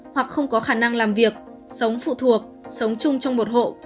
hoặc không có khả năng làm việc sống phụ thuộc sống chung trong một hộ